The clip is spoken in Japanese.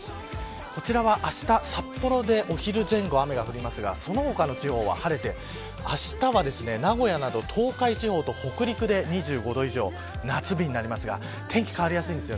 こちらはあした札幌でお昼前後は雨が降りますがその他の地方は晴れてあしたは名古屋など東海地方と北陸で２５度以上夏日になりますが天気変わりやすいです。